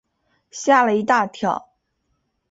吓了一大跳